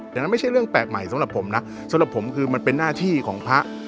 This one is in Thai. ดังนั้นไม่ใช่เรื่องแปลกใหม่สำหรับผมนะสำหรับผมคือมันเป็นหน้าที่ของพระ